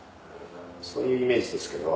そういうイメージですけど。